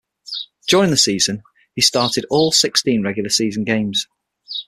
During the season, he started all sixteen regular season games.